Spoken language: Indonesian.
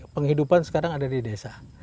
penghidupan sekarang ada di desa